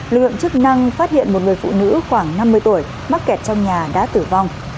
lượng chức năng phát hiện một người phụ nữ khoảng năm mươi tuổi mắc kẹt trong nhà đã tử vong